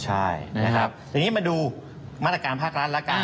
ใช่เป็นครับแล้วนี่มาดูมาตรการพักรัฐละก่อน